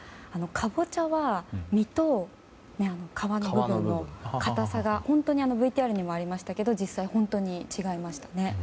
カボチャは実と皮の部分のかたさが本当にＶＴＲにもありましたけど実際、本当に違いましたね。